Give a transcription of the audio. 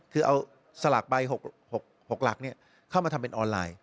คือเอาสลากใบ๖หลักเข้ามาทำเป็นออนไลน์